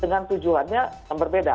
dengan tujuannya yang berbeda